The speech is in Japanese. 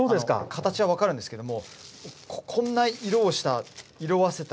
形は分かるんですけどもこんな色をした色あせた。